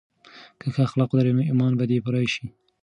که ښه اخلاق ولرې نو ایمان به دې پوره شي.